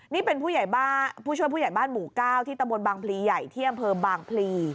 นี่เป็นผู้ช่วยผู้ใหญ่บ้านหมู่ก้าวที่ตะบนบางพลีใหญ่เที่ยงเผิมบางพลี